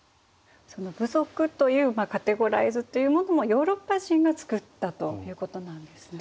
その部族というカテゴライズというものもヨーロッパ人が作ったということなんですね。